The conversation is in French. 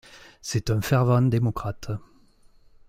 C'est un fervent démocrate.